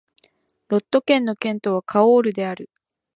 ロット県の県都はカオールである